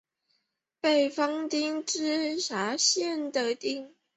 北方町为岐阜县的町。